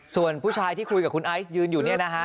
ส่วนผู้ชายที่คุยกับคุณไอซ์ยืนอยู่เนี่ยนะฮะ